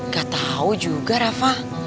gak tau juga rafa